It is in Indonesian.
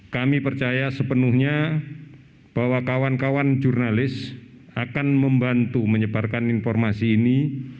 kami percaya sepenuhnya bahwa kawan kawan jurnalis akan membantu menyebarkan informasi ini